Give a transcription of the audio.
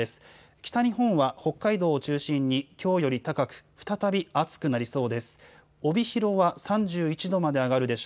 北日本は北海道を中心にきょうより高く再び暑くなりそうです。